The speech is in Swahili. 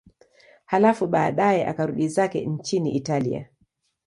Halafu baadaye akarudi zake nchini Italia.